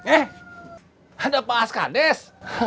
eh ada pak askades